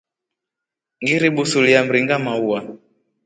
Ngiri busulia mringa maua.